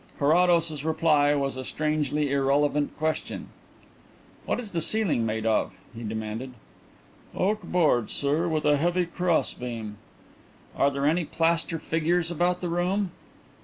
Carrados's reply was a strangely irrelevant question. "What is the ceiling made of?" he demanded. "Oak boards, sir, with a heavy cross beam." "Are there any plaster figures about the room?"